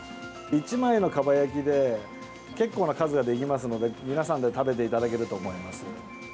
１枚のかば焼きで結構な数ができますので皆さんで食べていただけると思います。